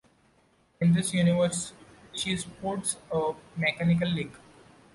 In this universe, she sports a mechanical leg.